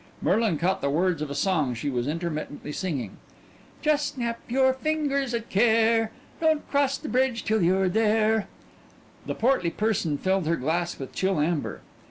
Merlin caught the words of a song she was intermittently singing "_Just snap your fingers at care, Don't cross the bridge 'til you're there _" The portly person filled her glass with chill amber.